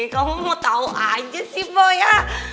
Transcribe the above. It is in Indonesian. kamu mau tau aja sih boy ya